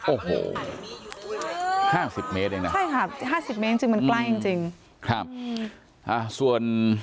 อ๋อโอ้โห๕๐เมตรเองน่ะครับส่วน